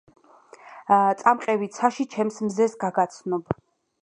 წამყევი ცაში ჩემს მზეს გაგაცნობ